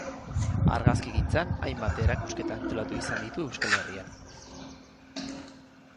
Argazkigintzan, hainbat erakusketa antolatu izan ditu Euskal Herrian.